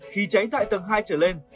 khi cháy tại tầm hai trở lên